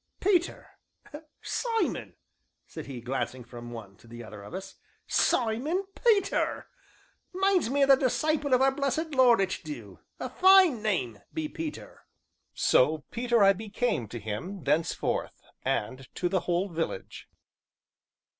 "Peter Simon," said he, glancing from one to the other of us. "Simon Peter; minds me o' the disciple of our blessed Lord, it du; a fine name be Peter." So Peter I became to him thenceforth, and to the whole village.